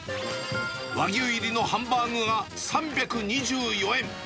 和牛入りのハンバーグが３２４円。